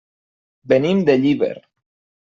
Venim de Llíber.